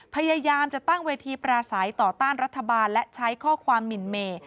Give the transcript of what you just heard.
พยายามจะตั้งเวทีปราศัยต่อต้านรัฐบาลและใช้ข้อความหมินเมย์